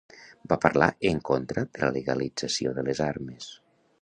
Va parlar en contra de la legalització de les armes.